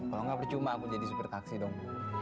kalau gak percuma aku jadi super taksi dong